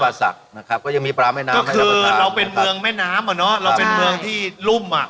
ก็คือเราเป็นเมืองแม่น้ำอะโน่เราเป็นเมืองที่รุ่มอะ